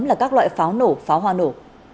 là các loại pháo nổ pháo hoa nổ